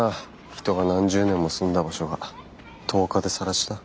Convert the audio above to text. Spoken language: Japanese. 人が何十年も住んだ場所が１０日でさら地だ。